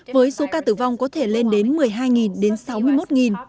với số ca tử vong có thể lên đến một mươi hai đến sáu mươi một